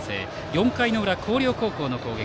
４回の裏、広陵高校の攻撃。